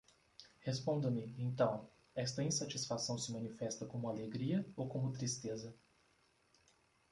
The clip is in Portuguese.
Responda-me, então: esta insatisfação se manifesta como alegria, ou como tristeza?